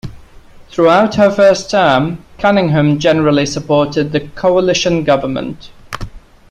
Throughout her first term, Cunningham generally supported the Coalition government.